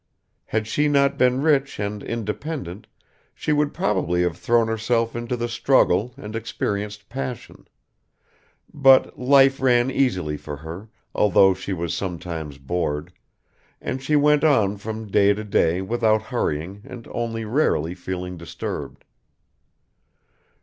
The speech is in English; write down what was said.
Had she not been rich and independent, she would probably have thrown herself into the struggle and experienced passion ... But life ran easily for her, although she was sometimes bored, and she went on from day to day without hurrying and only rarely feeling disturbed.